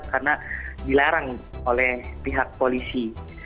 karena dilarang oleh pihak polisi